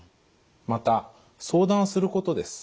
また「相談すること」です。